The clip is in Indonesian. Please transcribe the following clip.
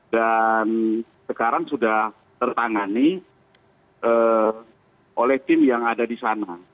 dan sekarang sudah tertangani oleh tim yang ada di sana